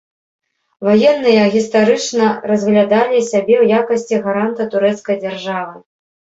Ваенныя гістарычна разглядалі сябе ў якасці гаранта турэцкай дзяржавы.